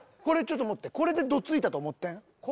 ちょっと持ってこれでど突いたと思って。